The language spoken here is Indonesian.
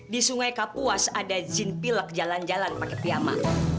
di sungai kapuas ada jin pilak jalan jalan pake piyama